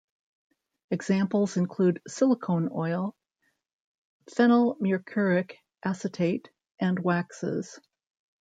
Examples include silicone oil, phenyl mercuric acetate and waxes.